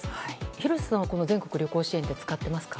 廣瀬さんはこの全国旅行支援使ってますか？